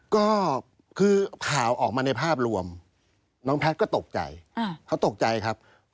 ก็คือข่าวออกมาในภาพรวมน้องแพทย์ก็ตกใจเขาตกใจครับ